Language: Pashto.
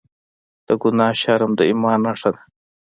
د ګناه شرم د ایمان نښه ده.